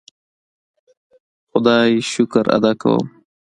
خدای شکر ادا کوم.